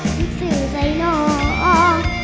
มิสิทธิ์ใจน้อง